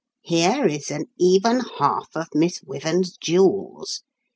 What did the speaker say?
Here is an even half of Miss Wyvern's jewels.